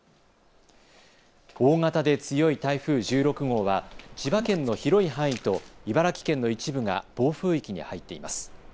大型で強い台風１６号は千葉県の広い範囲と茨城県の一部が暴風域に入っています。